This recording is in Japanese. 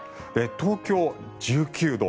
東京、１９度。